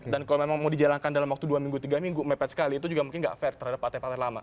dan kalau memang mau dijalankan dalam waktu dua minggu tiga minggu mepet sekali itu juga mungkin gak fair terhadap partai partai lama